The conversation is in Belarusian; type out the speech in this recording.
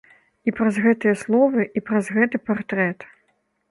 І праз гэтыя словы, і праз гэты партрэт.